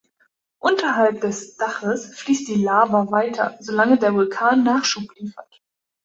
Unterhalb des „Daches“ fließt die Lava weiter, solange der Vulkan Nachschub liefert.